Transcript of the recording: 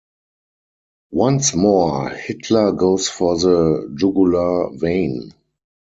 Once more Hitler goes for the jugular vein.